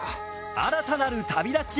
新たなる旅立ち。